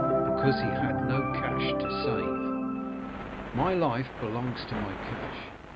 Because he had no cash to save. My life belongs to my cash. M.